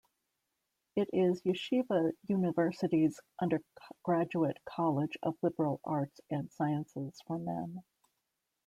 It is Yeshiva University's undergraduate college of liberal arts and sciences for men.